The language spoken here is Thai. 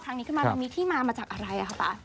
ครั้งนี้ขึ้นมามันมีที่มามาจากอะไรคะป๊า